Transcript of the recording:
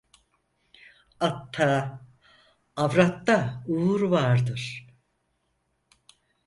Atta, avratta uğur vardır.